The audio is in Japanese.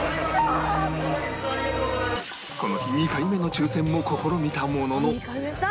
この日２回目の抽選も試みたものの